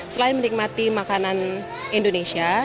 selain menikmati makanan indonesia